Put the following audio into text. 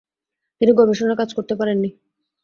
তিনি গবেষণার কাজ করতে পারেন নি।